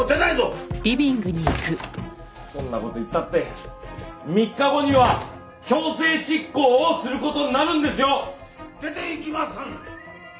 そんな事言ったって３日後には強制執行をする事になるんですよ！出ていきません！